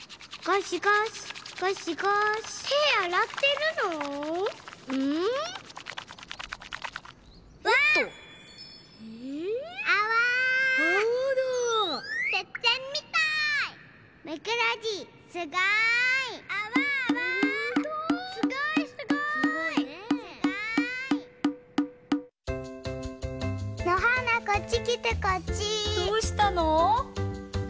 どうしたの？